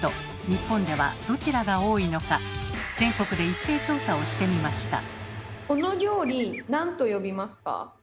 日本ではどちらが多いのか全国で一斉調査をしてみました。